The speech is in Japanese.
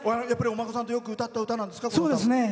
お孫さんとよく歌った歌なんですか？